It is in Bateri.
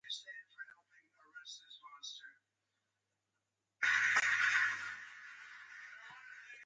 تِسوں موں څودشیئں څن شان پڑ قوزونݜ